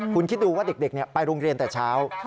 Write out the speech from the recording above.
คุณคิดดูว่าเด็กไปโรงเรียนแต่เช้า